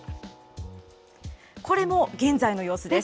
これも現在の様子です。